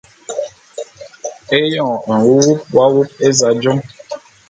Éyoň nwuwup w’awup éza jom.